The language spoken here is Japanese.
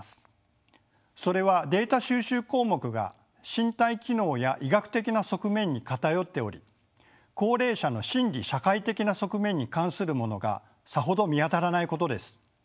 それはデータ収集項目が身体機能や医学的な側面に偏っており高齢者の心理社会的な側面に関するものがさほど見当たらないことです。